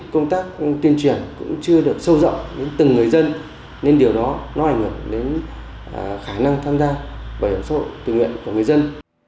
công tác tuyên truyền cũng chưa được sâu rộng đến từng người dân nên điều đó nó ảnh hưởng đến khả năng tham gia bảo hiểm xã hội tự nguyện của người dân